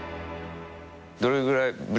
どれぐらいぶり？